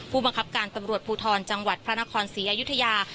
ผู้บังคับการตำรวจภูทรจังหวัดพระนครศรีอยุธยา